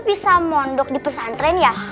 bisa mondok di pesantren ya